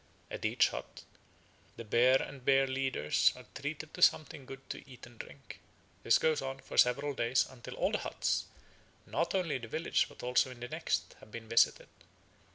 At each hut the bear and bear leaders are treated to something good to eat and drink. This goes on for several days until all the huts, not only in that village but also in the next, have been visited.